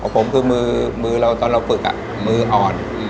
ผมคือมือเราตอนเราฝึกมืออ่อน